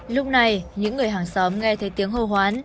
lúc này những người hàng xóm nghe thấy tiếng hô hoán